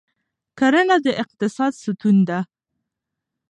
کرنه د اقتصاد ستون ده.